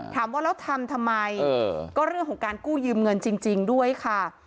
ถามว่าแล้วทำทำไมก็เรื่องของการกู้ยืมเงินจริงด้วยค่ะ